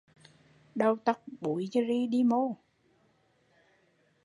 Đầu tóc búi như ri, đi mô